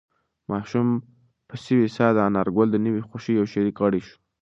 ماشوم په سوې ساه د انارګل د نوې خوښۍ یو شریک غړی شو.